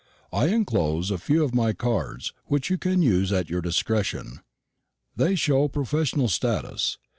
I enclose a few of my cards, which you can use at your discretion. They show professional status.